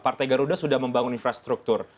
partai garuda sudah membangun infrastruktur